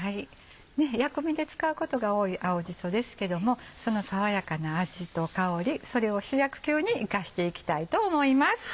薬味で使うことが多い青じそですけどもその爽やかな味と香りそれを主役級に生かしていきたいと思います。